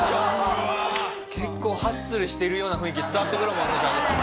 結構ハッスルしてるような雰囲気伝わってくるもんね写真。